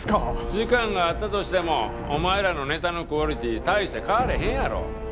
時間があったとしてもお前らのネタのクオリティー大して変われへんやろ。